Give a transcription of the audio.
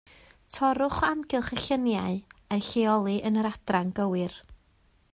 Torrwch o amgylch y lluniau a'u lleoli yn yr adran gywir